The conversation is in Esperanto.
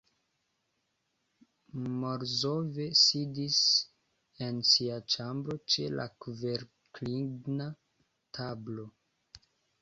Morozov sidis en sia ĉambro ĉe la kverkligna tablo.